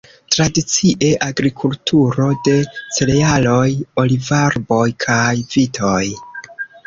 Tradicie agrikulturo de cerealoj, olivarboj kaj vitoj.